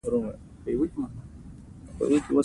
لاسونه نرم لمس لري